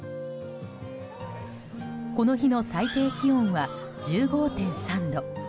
この日の最低気温は１５．３度。